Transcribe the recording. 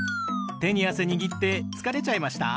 手に汗握って疲れちゃいました？